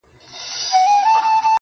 په سپينه زنه كي خال ووهي ويده سمه زه.